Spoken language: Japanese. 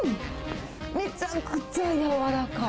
めちゃくちゃやわらかい。